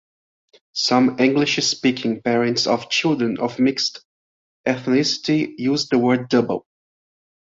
Some English-speaking parents of children of mixed ethnicity use the word double.